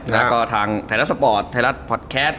แล้วก็ทางไทยรัฐสปอร์ตไทยรัฐพอดแคสต